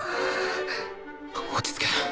落ち着け。